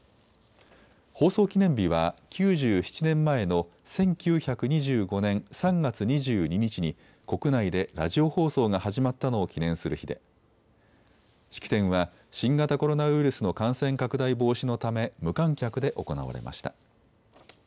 放送記念日は９７年前の１９２５年３月２２日に国内でラジオ放送が始まったのを記念する日で式典は新型コロナウイルスの感染拡大防止のため無観客で行われました。